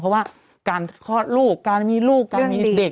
เพราะว่าการคลอดลูกการมีลูกการมีเด็ก